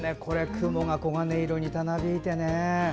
雲が黄金色にたなびいてね。